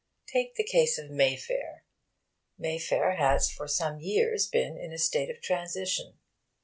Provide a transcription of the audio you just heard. Take the case of Mayfair. Mayfair has for some years been in a state of transition.